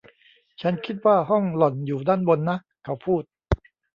“ฉันคิดว่าห้องหล่อนอยู่ด้านบนนะ” เขาพูด